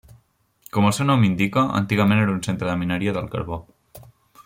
Com el seu nom indica, antigament era un centre de mineria del carbó.